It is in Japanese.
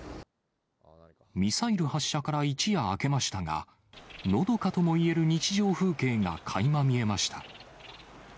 ミサイル発射から一夜明けましたが、のどかともいえる日常風景がかいま見えました。